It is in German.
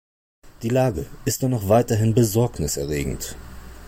Die Lage ist dennoch weiterhin besorgniserregend.